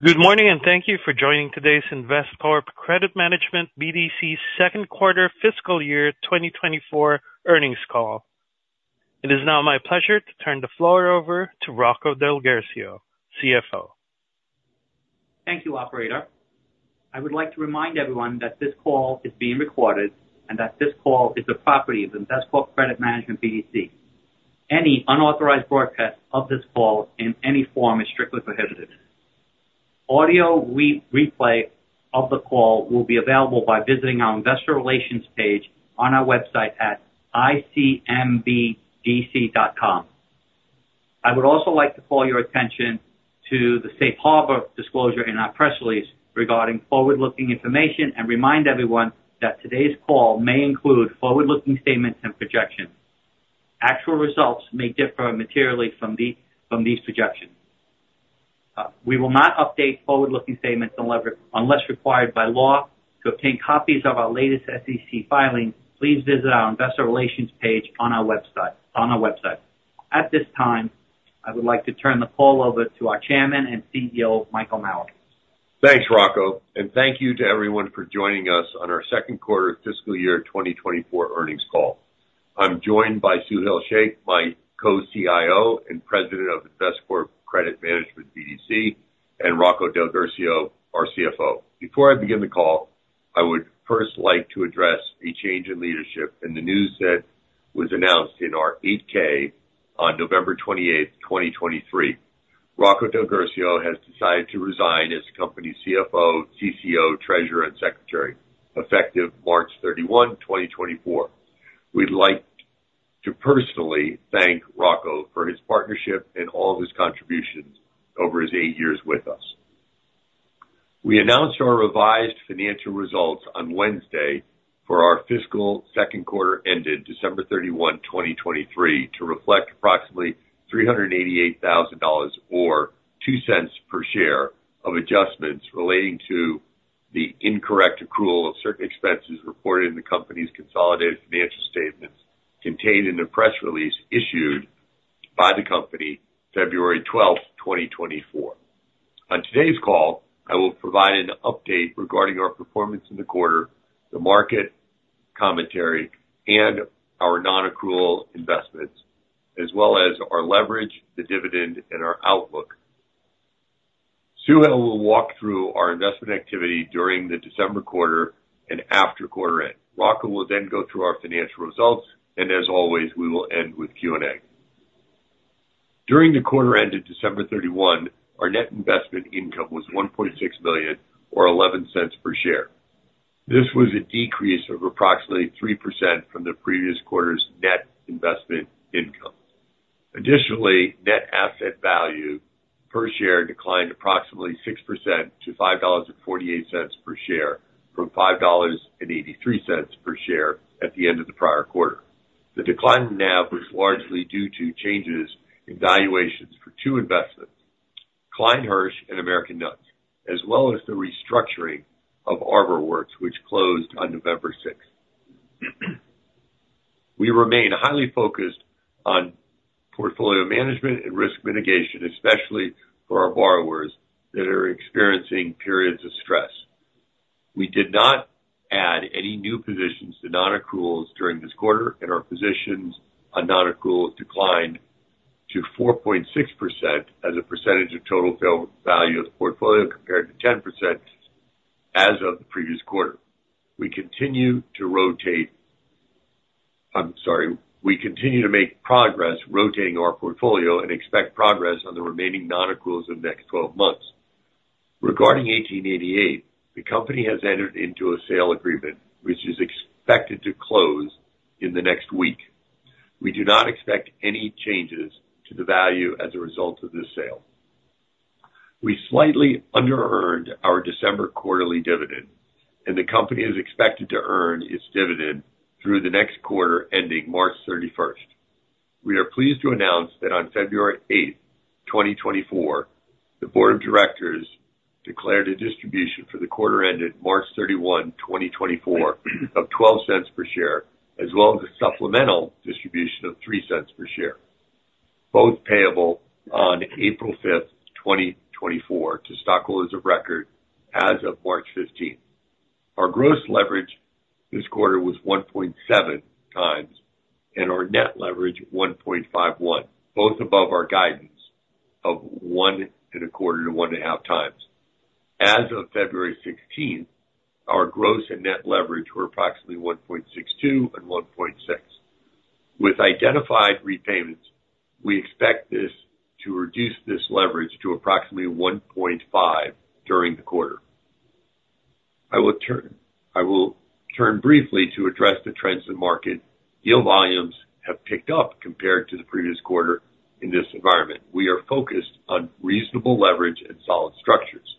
Good morning and thank you for joining today's Investcorp Credit Management BDC Q2 fiscal year 2024 Earnings Call. It is now my pleasure to turn the floor over to Rocco DelGuercio, CFO. Thank you, operator. I would like to remind everyone that this call is being recorded and that this call is the property of Investcorp Credit Management BDC. Any unauthorized broadcast of this call in any form is strictly prohibited. Audio replay of the call will be available by visiting our investor relations page on our website at icmbdc.com. I would also like to call your attention to the Safe Harbor disclosure in our press release regarding forward-looking information and remind everyone that today's call may include forward-looking statements and projections. Actual results may differ materially from these projections. We will not update forward-looking statements unless required by law. To obtain copies of our latest SEC filings, please visit our investor relations page on our website. At this time, I would like to turn the call over to our Chairman and CEO, Michael Mauer. Thanks, Rocco, and thank you to everyone for joining us on our Q2 fiscal year 2024 earnings call. I'm joined by Suhail Shaikh, my Co-CIO and president of Investcorp Credit Management BDC, and Rocco DelGuercio, our CFO. Before I begin the call, I would first like to address a change in leadership in the news that was announced in our 8-K on November 28, 2023. Rocco DelGuercio has decided to resign as the company's CFO, CCO, treasurer, and secretary, effective March 31, 2024. We'd like to personally thank Rocco for his partnership and all his contributions over his eight years with us. We announced our revised financial results on Wednesday for our fiscal Q2 ended December 31, 2023, to reflect approximately $388,000 or $0.02 per share of adjustments relating to the incorrect accrual of certain expenses reported in the company's consolidated financial statements contained in the press release issued by the company February 12, 2024. On today's call, I will provide an update regarding our performance in the quarter, the market commentary, and our non-accrual investments, as well as our leverage, the dividend, and our outlook. Suhail will walk through our investment activity during the December quarter and after quarter end. Rocco will then go through our financial results, and as always, we will end with Q&A. During the quarter ended December 31, our net investment income was $1.6 million or $0.11 per share. This was a decrease of approximately 3% from the previous quarter's net investment income. Additionally, net asset value per share declined approximately 6% to $5.48 per share from $5.83 per share at the end of the prior quarter. The decline now was largely due to changes in valuations for two investments, Klein Hersh and American Nuts, as well as the restructuring of ArborWorks, which closed on November 6. We remain highly focused on portfolio management and risk mitigation, especially for our borrowers that are experiencing periods of stress. We did not add any new positions to non-accruals during this quarter, and our positions on non-accrual declined to 4.6% as a percentage of total fair value of the portfolio compared to 10% as of the previous quarter. We continue to rotate I'm sorry, we continue to make progress rotating our portfolio and expect progress on the remaining non-accruals in the next 12 months. Regarding 1888, the company has entered into a sale agreement, which is expected to close in the next week. We do not expect any changes to the value as a result of this sale. We slightly under-earned our December quarterly dividend, and the company is expected to earn its dividend through the next quarter ending March 31. We are pleased to announce that on February 8, 2024, the board of directors declared a distribution for the quarter ended March 31, 2024, of $0.12 per share, as well as a supplemental distribution of $0.03 per share, both payable on April 5, 2024, to stockholders of record as of March 15, 2024. Our gross leverage this quarter was 1.7x and our net leverage 1.51x, both above our guidance of 1.25x to 1.5x. As of February 16, our gross and net leverage were approximately 1.62 and 1.6. With identified repayments, we expect this to reduce this leverage to approximately 1.5 during the quarter. I will turn briefly to address the trends in market. Yield volumes have picked up compared to the previous quarter in this environment. We are focused on reasonable leverage and solid structures.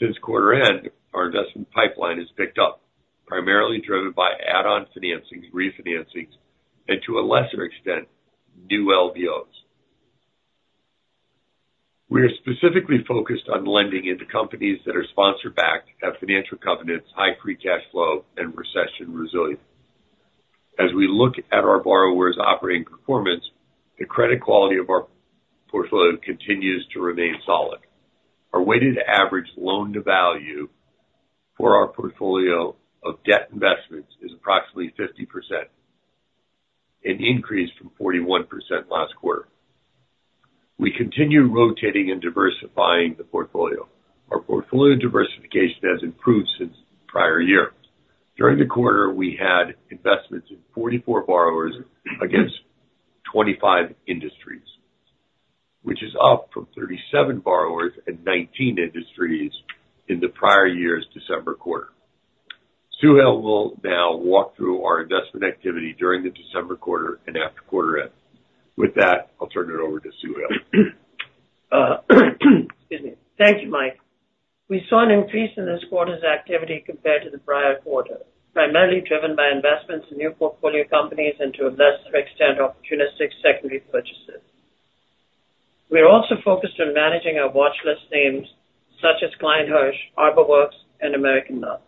Since quarter end, our investment pipeline has picked up, primarily driven by add-on financings, refinancings, and to a lesser extent, new LBOs. We are specifically focused on lending into companies that are sponsor-backed, have financial covenants, high free cash flow, and recession resilience. As we look at our borrowers' operating performance, the credit quality of our portfolio continues to remain solid. Our weighted average loan-to-value for our portfolio of debt investments is approximately 50%, an increase from 41% last quarter. We continue rotating and diversifying the portfolio. Our portfolio diversification has improved since prior year. During the quarter, we had investments in 44 borrowers against 25 industries, which is up from 37 borrowers and 19 industries in the prior year's December quarter. Suhail will now walk through our investment activity during the December quarter and after quarter end. With that, I'll turn it over to Suhail. Excuse me. Thank you, Mike. We saw an increase in this quarter's activity compared to the prior quarter, primarily driven by investments in new portfolio companies and to a lesser extent opportunistic secondary purchases. We are also focused on managing our watchlist names such as Klein Hersh, ArborWorks, and American Nuts.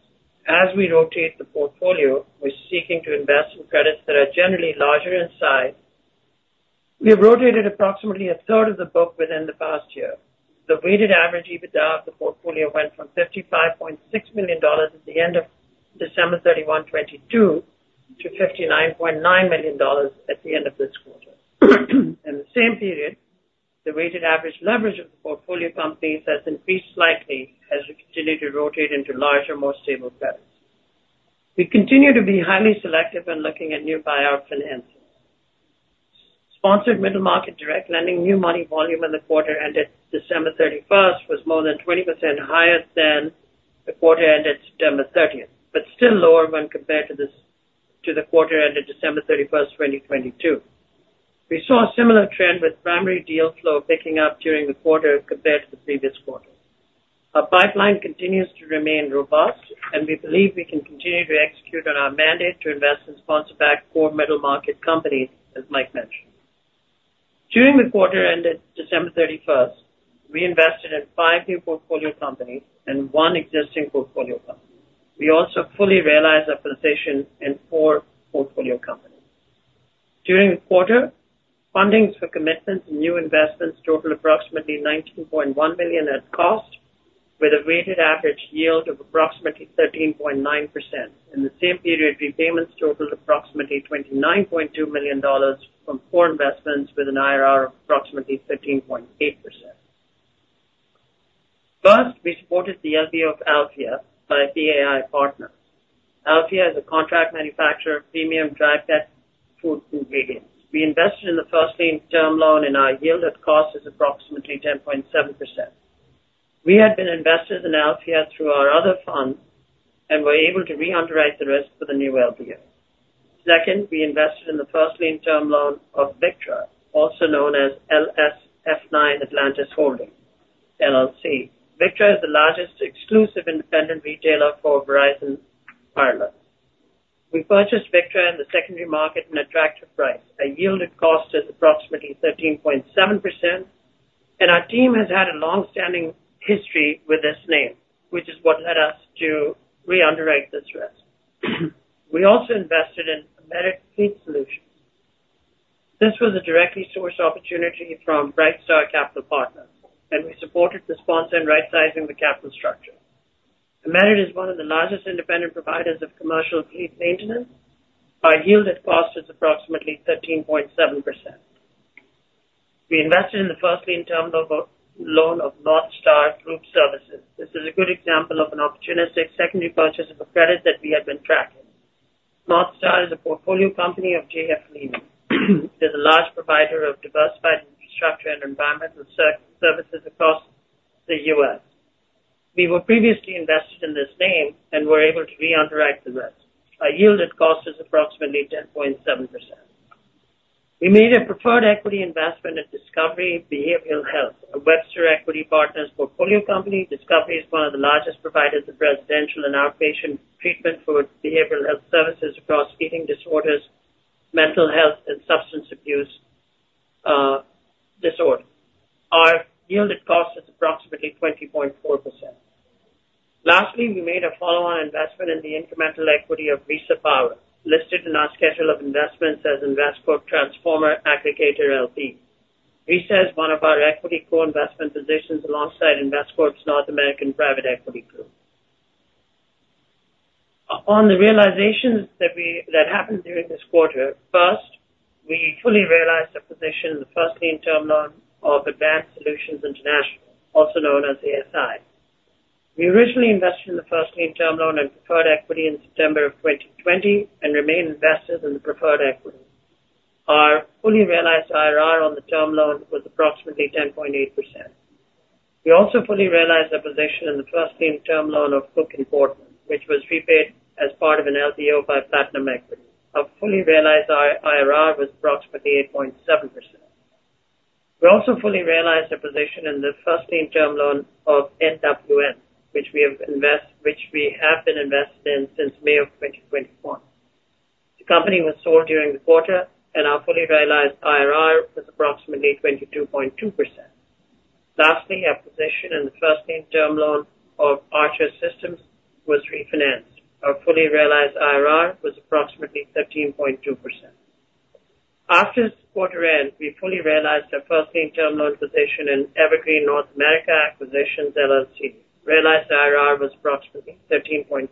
As we rotate the portfolio, we're seeking to invest in credits that are generally larger in size. We have rotated approximately a third of the book within the past year. The weighted average EBITDA of the portfolio went from $55.6 million at the end of December 31, 2022, to $59.9 million at the end of this quarter. In the same period, the weighted average leverage of the portfolio companies has increased slightly as we continue to rotate into larger, more stable credits. We continue to be highly selective in looking at new buyout financing. Sponsored middle market direct lending, new money volume in the quarter ended December 31, was more than 20% higher than the quarter ended September 30, but still lower when compared to the quarter ended December 31, 2022. We saw a similar trend with primary deal flow picking up during the quarter compared to the previous quarter. Our pipeline continues to remain robust, and we believe we can continue to execute on our mandate to invest in sponsor-backed core middle market companies, as Mike mentioned. During the quarter ended December 31, we invested in five new portfolio companies and one existing portfolio company. We also fully realized our position in four portfolio companies. During the quarter, fundings for commitments and new investments totaled approximately $19.1 million at cost, with a weighted average yield of approximately 13.9%. In the same period, repayments totaled approximately $29.2 million from four investments with an IRR of approximately 13.8%. First, we supported the LBO of Alphia by PAI Partners. Alphia is a contract manufacturer of premium dry pet food ingredients. We invested in the first lien term loan, and our yield at cost is approximately 10.7%. We had been investors in Alphia through our other fund and were able to re-underwrite the risk for the new LBO. Second, we invested in the first lien term loan of Victra, also known as LSF9 Atlantis Holdings, LLC. Victra is the largest exclusive independent retailer for Verizon wireless. We purchased Victra in the secondary market at an attractive price. Our yield at cost is approximately 13.7%, and our team has had a longstanding history with this name, which is what led us to re-underwrite this risk. We also invested in Amerit Fleet Solutions. This was a directly sourced opportunity from Brightstar Capital Partners, and we supported the sponsor in right-sizing the capital structure. Amerit is one of the largest independent providers of commercial fleet maintenance. Our yield at cost is approximately 13.7%. We invested in the first-lien term loan of NorthStar Group Services. This is a good example of an opportunistic secondary purchase of a credit that we had been tracking. NorthStar is a portfolio company of J.F. Lehman. It is a large provider of diversified infrastructure and environmental services across the US. We were previously invested in this name and were able to re-underwrite the risk. Our yield at cost is approximately 10.7%. We made a preferred equity investment at Discovery Behavioral Health, a Webster Equity Partners portfolio company. Discovery is one of the largest providers of residential and outpatient treatment for behavioral health services across eating disorders, mental health, and substance abuse disorder. Our yield at cost is approximately 20.4%. Lastly, we made a follow-on investment in the incremental equity of RESA Power, listed in our schedule of investments as Investcorp Transformer Aggregator, LP. RESA is one of our equity co-investment positions alongside Investcorp's North American Private Equity Group. On the realizations that happened during this quarter, first, we fully realized a position in the first lien term loan of Advanced Solutions International, also known as ASI. We originally invested in the first lien term loan and preferred equity in September of 2020 and remained investors in the preferred equity. Our fully realized IRR on the term loan was approximately 10.8%. We also fully realized a position in the first lien term loan of Cook & Boardman, which was repaid as part of an LBO by Platinum Equity. Our fully realized IRR was approximately 8.7%. We also fully realized a position in the first lien term loan of NWN, which we have been invested in since May of 2021. The company was sold during the quarter, and our fully realized IRR was approximately 22.2%. Lastly, our position in the first lien term loan of Archer Systems was refinanced. Our fully realized IRR was approximately 13.2%. After this quarter end, we fully realized our first lien term loan position in Evergreen North America Industrial Services. Realized IRR was approximately 13.3%.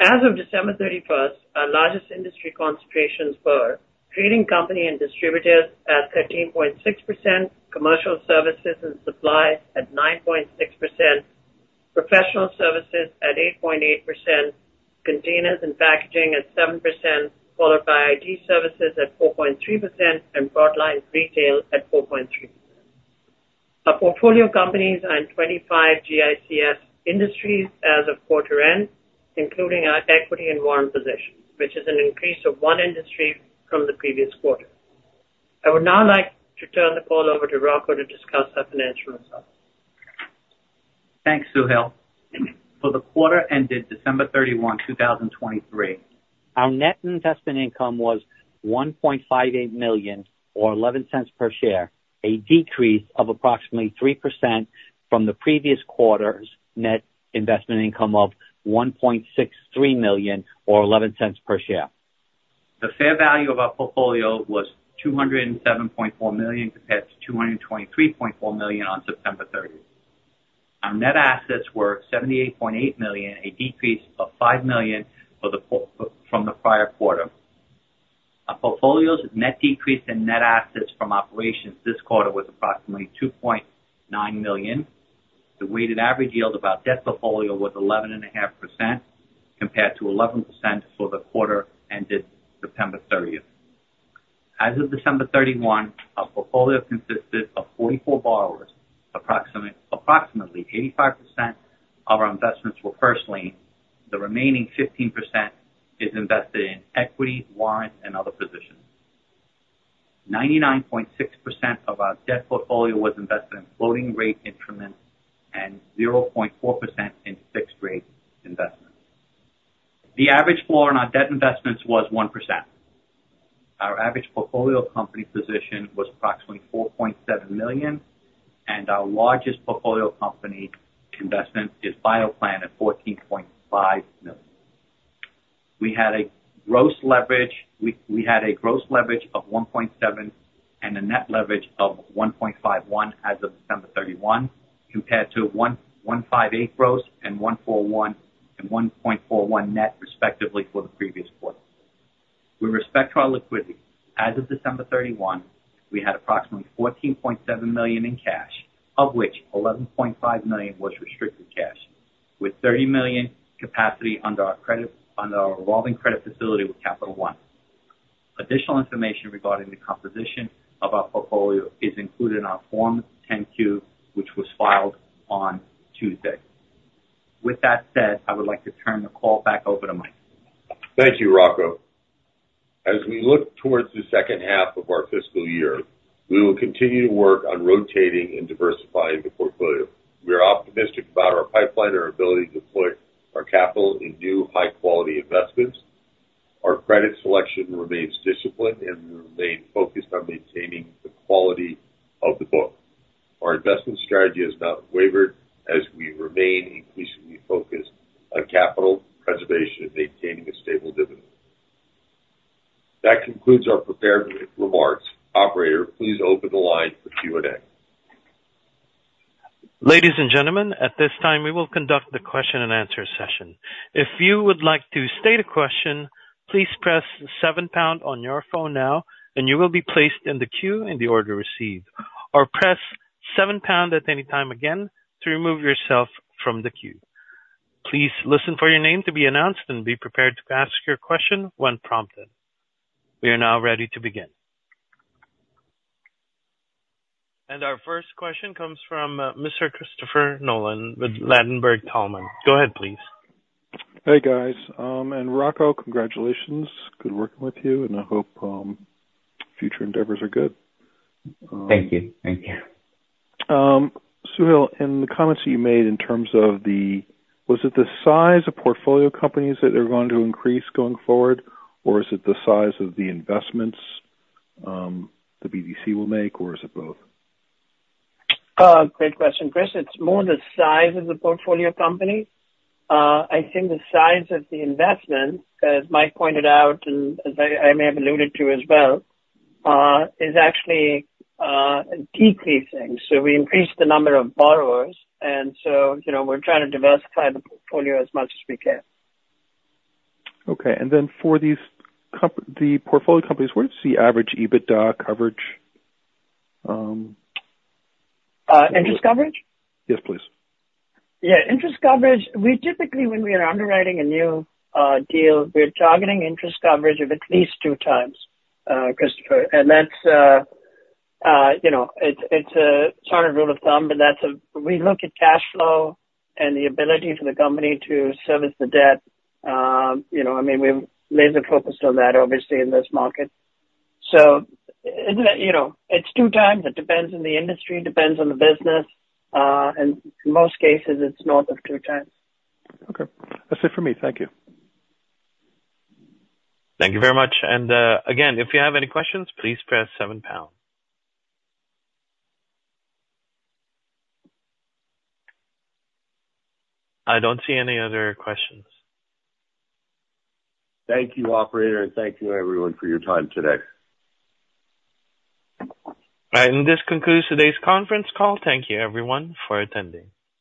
As of December 31, our largest industry concentrations were Trading Companies and Distributors at 13.6%, Commercial Services and Supplies at 9.6%, Professional Services at 8.8%, Containers and Packaging at 7%, followed by IT Services at 4.3%, and Broadline Retail at 4.3%. Our portfolio companies are in 25 GICS industries as of quarter end, including our equity and warrant positions, which is an increase of one industry from the previous quarter. I would now like to turn the call over to Rocco to discuss our financial results. Thanks, Suhail. For the quarter ended December 31, 2023, our net investment income was $1.58 million or $0.11 per share, a decrease of approximately 3% from the previous quarter's net investment income of $1.63 million or $0.11 per share. The fair value of our portfolio was $207.4 million compared to $223.4 million on September 30. Our net assets were $78.8 million, a decrease of $5 million from the prior quarter. Our portfolio's net decrease in net assets from operations this quarter was approximately $2.9 million. The weighted average yield of our debt portfolio was 11.5% compared to 11% for the quarter ended September 30. As of December 31, our portfolio consisted of 44 borrowers. Approximately 85% of our investments were first lien. The remaining 15% is invested in equity, warrants, and other positions. 99.6% of our debt portfolio was invested in floating-rate instruments and 0.4% in fixed-rate investments. The average floor in our debt investments was 1%. Our average portfolio company position was approximately $4.7 million, and our largest portfolio company investment is Bioplan at $14.5 million. We had a gross leverage of 1.7 and a net leverage of 1.51 as of December 31 compared to 1.58 gross and 1.41 net, respectively, for the previous quarter. With respect to our liquidity, as of December 31, we had approximately $14.7 million in cash, of which $11.5 million was restricted cash, with $30 million capacity under our revolving credit facility with Capital One. Additional information regarding the composition of our portfolio is included in our Form 10Q, which was filed on Tuesday. With that said, I would like to turn the call back over to Mike. Thank you, Rocco. As we look towards the second half of our fiscal year, we will continue to work on rotating and diversifying the portfolio. We are optimistic about our pipeline and our ability to deploy our capital in new high-quality investments. Our credit selection remains disciplined, and we remain focused on maintaining the quality of the book. Our investment strategy has not wavered, as we remain increasingly focused on capital preservation and maintaining a stable dividend. That concludes our prepared remarks. Operator, please open the line for Q&A. Ladies and gentlemen, at this time, we will conduct the question-and-answer session. If you would like to state a question, please press the 7-pound on your phone now, and you will be placed in the queue in the order received. Or press 7-pound at any time again to remove yourself from the queue. Please listen for your name to be announced and be prepared to ask your question when prompted. We are now ready to begin. Our first question comes from Mr. Christopher Nolan with Ladenburg Thalmann. Go ahead, please. Hey, guys. Rocco, congratulations. Good working with you, and I hope future endeavors are good. Thank you. Thank you. Suhail, in the comments that you made in terms of the was it the size of portfolio companies that are going to increase going forward, or is it the size of the investments the BDC will make, or is it both? Great question. Chris, it's more the size of the portfolio companies. I think the size of the investment, as Mike pointed out and as I may have alluded to as well, is actually decreasing. So we increased the number of borrowers, and so we're trying to diversify the portfolio as much as we can. Okay. And then for the portfolio companies, where do you see average EBITDA coverage? Interest coverage? Yes, please. Yeah. Interest coverage, we typically, when we are underwriting a new deal, we're targeting interest coverage of at least 2 times, Christopher. And that's it's a sort of rule of thumb, but that's a we look at cash flow and the ability for the company to service the debt. I mean, we're laser-focused on that, obviously, in this market. So it's 2 times. It depends on the industry. It depends on the business. And in most cases, it's north of 2 times. Okay. That's it for me. Thank you. Thank you very much. Again, if you have any questions, please press seven-pound. I don't see any other questions. Thank you, Operator, and thank you, everyone, for your time today. All right. This concludes today's conference call. Thank you, everyone, for attending.